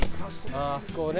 あそこをね。